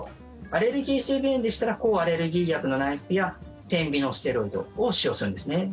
アレルギー性鼻炎でしたら抗アレルギー薬の内服や点鼻のステロイドを使用するんですね。